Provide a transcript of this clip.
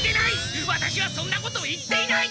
ワタシはそんなこと言っていない！